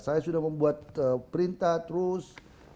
saya sudah membuat perintah terus